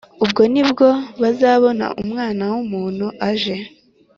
Ubwo ni bwo bazabona umwana w umuntu aje